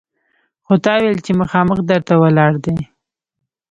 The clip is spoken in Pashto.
خو تا ویل چې مخامخ در ته ولاړ دی!